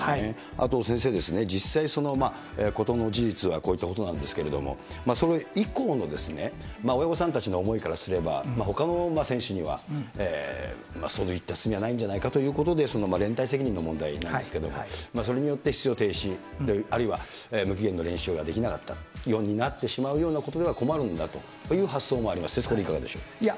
あと先生、実際、事の事実がこういったことなんですけれども、それ以降の親御さんたちの思いからすれば、ほかの選手にはそういった罪はないんじゃないかということで、連帯責任の問題なんですけれども、それによって出場停止、あるいは無期限の練習ができないようになってしまうようでは困るんだという発想もあります、先生、そこはいかがでしょう？